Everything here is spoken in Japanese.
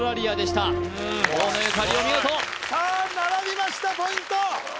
お見事さあ並びましたポイント